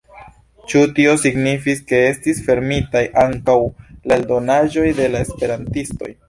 Ĉu tio signifis, ke estis fermitaj ankaŭ la eldonaĵoj de la esperantistoj?